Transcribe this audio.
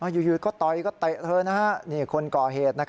อยู่ก็ต่อยก็เตะเธอนี่คนก่อเหตุ